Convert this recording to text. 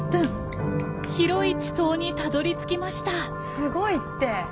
すごいって。